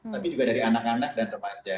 tapi juga dari anak anak dan remaja